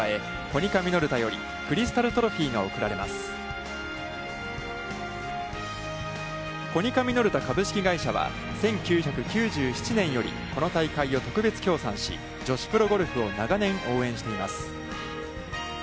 コニカミノルタ株式会社は１９９７年よりこの大会を特別協賛し女子プロゴルフを長年応援しています。